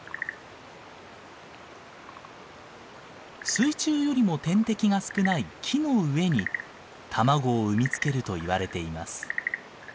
水中よりも天敵が少ない木の上に卵を産み付けるといわれています。